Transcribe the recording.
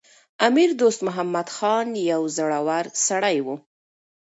امیر دوست محمد خان یو زړور سړی و.